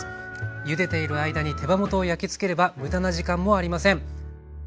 ゆでている間に手羽元を焼きつければ無駄な時間もありません。